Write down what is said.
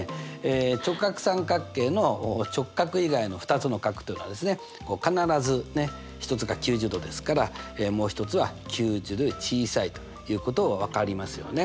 直角三角形の直角以外の２つの角というのは必ず１つが９０°ですからもう一つは９０°より小さいということは分かりますよね。